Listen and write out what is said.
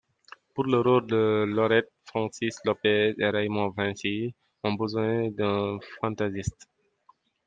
Pour le rôle de Lorette, Francis Lopez et Raymond Vincy ont besoin d'un fantaisiste.